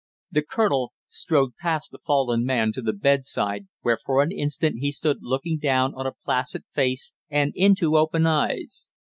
The colonel strode past the fallen man to the bedside, where for an instant he stood looking down on a placid face and into open eyes.